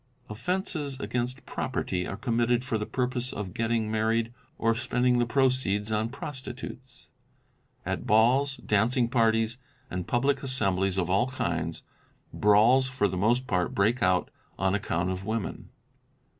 Offences against property are committed for the purpose of getting married or spending the proceeds on prostitutes. At balls, dancing parties, and public assembles of all kinds, brawls for the most part break out on account of women.